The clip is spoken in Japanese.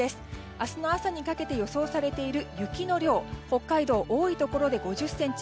明日の朝にかけて予想されている雪の量は北海道、多いところで５０ｃｍ